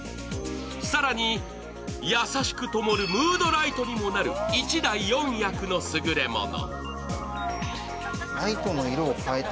更に優しくともるムードライトにもなる１台４役のすぐれもの。